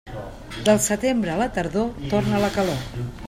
Del setembre a la tardor torna la calor.